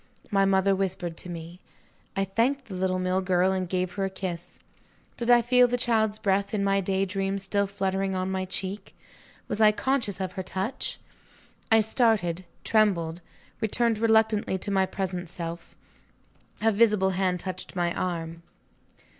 My mother whispered to me I thanked the little mill girl, and gave her a kiss. Did I feel the child's breath, in my day dream, still fluttering on my cheek? Was I conscious of her touch? I started, trembled, returned reluctantly to my present self. A visible hand touched my arm.